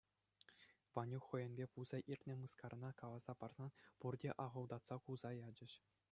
Ванюк хӑйӗнпе пулса иртнӗ мыскарана каласа парсан пурте ахӑлтатса кулса ячӗҫ.